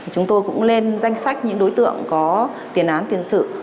chúng tôi cũng lên danh sách những đối tượng có tiền án tiền sự